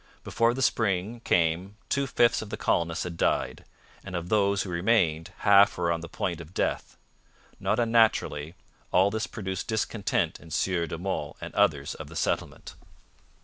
Before the spring came two fifths of the colonists had died, and of those who remained half were on the point of death. Not unnaturally, 'all this produced discontent in Sieur de Monts and others of the settlement.'